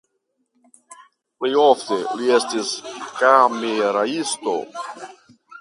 Plej ofte li estis kameraisto.